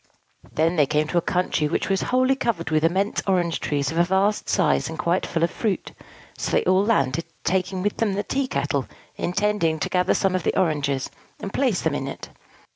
Then they came to a country which was wholly covered with immense orange trees of a vast size, and quite full of fruit. So they all landed, taking with them the tea kettle, intending to gather some of the oranges, and place them in it.